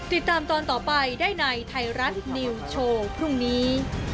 ติดตามตอนต่อไปได้ในไทรัตนิวโชว์พรุ่งนี้